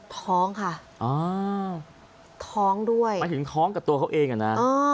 ท้องค่ะอ๋อท้องด้วยหมายถึงท้องกับตัวเขาเองอ่ะนะ